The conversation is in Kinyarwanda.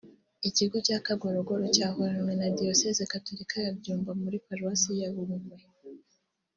Ikigo cya Kagorogoro cyahoranywe na Diyoseze Gatolika ya Byumba muri Paruwasi ya Bungwe